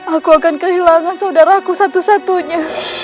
aku akan kehilangan saudaraku satu satunya